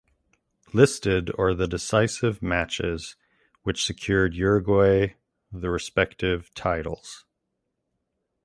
Listed are the decisive matches which secured Uruguay the respective titles.